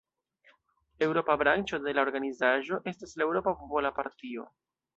Eŭropa branĉo de la organizaĵo estas la Eŭropa Popola Partio.